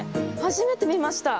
初めて見ました。